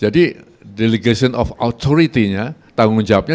jadi delegation of authority nya tanggung jawabnya